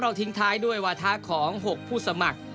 ทิ้งท้ายด้วยวาถะของ๖ผู้สมัคร